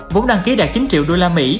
vốn đăng ký đạt chín triệu usd